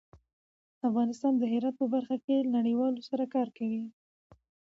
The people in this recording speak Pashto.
افغانستان د هرات په برخه کې نړیوالو سره کار کوي.